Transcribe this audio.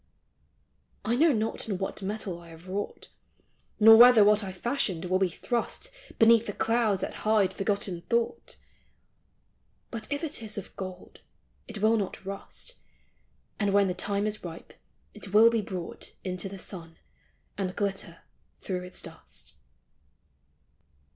I know not in what metal I have wrought ; Nor whether what I fashioned will be thrust Beneath the clouds that hide forgotten thought ; But if it is of gold it will not rust ; And when the time is ripe it will be brought Into the sun, and glitter through its dust.